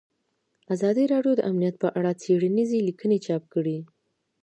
ازادي راډیو د امنیت په اړه څېړنیزې لیکنې چاپ کړي.